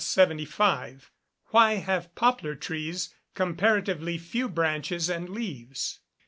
_Why have poplar trees comparatively few branches and leaves?